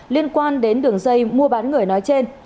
liên quan đến đường dây mua bán người nói trên